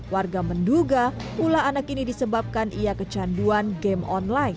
warga menduga ulah anak ini disebabkan ia kecanduan game online